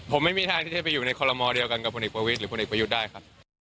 ผมไม่มีทางที่จะไปอยู่ในคอลโมเดียวกันกับพลเอกประวิทย์หรือพลเอกประยุทธ์ได้ครับ